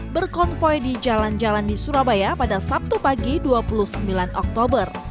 berkonvoy di jalan jalan di surabaya pada sabtu pagi dua puluh sembilan oktober